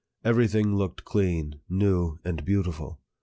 Every thing looked clean, new, and beautiful.